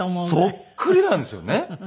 そっくりなんですよね。